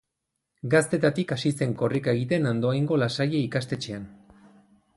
Gaztetatik hasi zen korrika egiten Andoaingo La Salle ikastetxean.